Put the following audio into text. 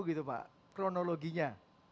gitu pak kronologinya